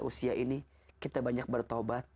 usia ini kita banyak bertobat